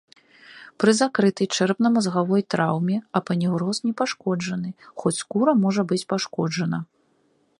Пры закрытай чэрапна-мазгавой траўме апанеўроз не пашкоджаны, хоць скура можа быць пашкоджана.